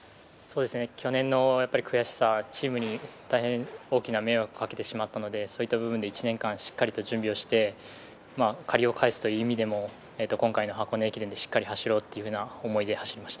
去年の悔しさ、チームに大変大きな迷惑をかけてしまったので、１年しっかり準備をして借りを返す意味でも今回の箱根駅伝でしっかり走ろうという思いで走りました。